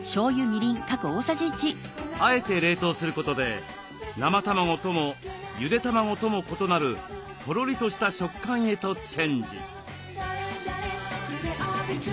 あえて冷凍することで生卵ともゆで卵とも異なるとろりとした食感へとチェンジ。